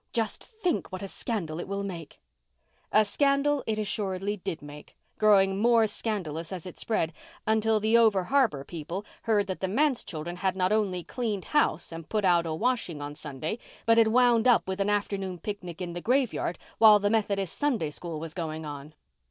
Just think what a scandal it will make!" A scandal it assuredly did make, growing more scandalous as it spread, until the over harbour people heard that the manse children had not only cleaned house and put out a washing on Sunday, but had wound up with an afternoon picnic in the graveyard while the Methodist Sunday School was going on.